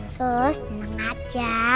sus tenang aja